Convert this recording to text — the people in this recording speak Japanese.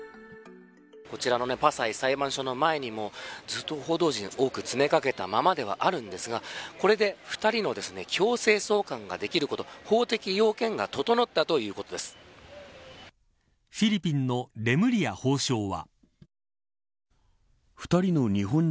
こちらのパサイ裁判所の前にも今、報道陣が多く詰めかけたままではあるんですがこれで２人の強制送還ができること、法的要件が整ったフィリピンのレムリヤ法相は。